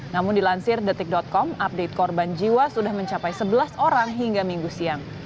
namun dilansir detik com update korban jiwa sudah mencapai sebelas orang hingga minggu siang